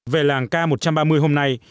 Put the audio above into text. về làng k một trăm ba mươi hôm nay